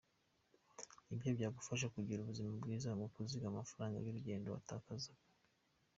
Ibi byagufasha kugira ubuzima bwiza no kuzigama amafaraga y’urugendo watakazaga.